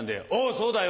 そうだよ」